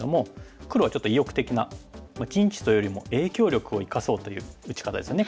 黒はちょっと意欲的な陣地というよりも影響力を生かそうという打ち方ですよね